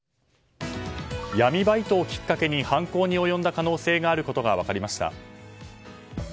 闇バイトをきっかけに犯行に及んだ可能性があることが分かりました。